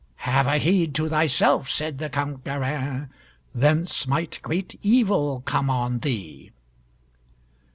"Have a heed to thyself," said the Count Garin: "thence might great evil come on thee."